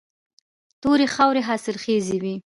تورې خاورې حاصلخیزې وي.